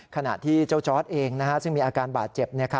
ขณะที่เจ้าจอร์ดเองซึ่งมีอาการบาดเจ็บ